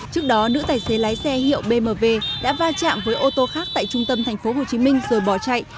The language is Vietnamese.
trước đó nữ tài xế lái xe hiệu bmw đã va chạm với ô tô khác tại trung tâm tp hcm rồi bỏ chạy